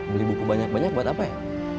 beli buku banyak banyak buat apa ya